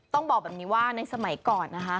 ต้องบอกแบบนี้ว่าในสมัยก่อนนะคะ